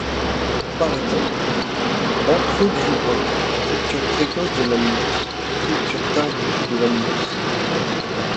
Par ex: arthrogrypose, rupture précoce de l'amnios, rupture tardive de l'amnios.